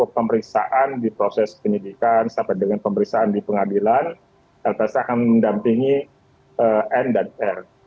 pemeriksaan di proses penyidikan sampai dengan pemeriksaan di pengadilan lpsk akan mendampingi n dan r